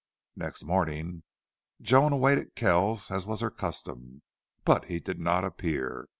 Next morning Joan awaited Kells, as was her custom, but he did not appear.